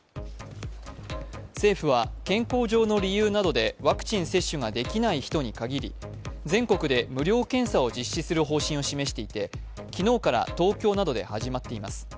政府は健康上の理由などでワクチン接種ができない人に限り全国で無料検査を実施する方針を示していて昨日から東京などで始まっています。